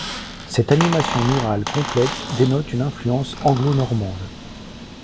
Cette animation murale complexe dénote une influence anglo-normande.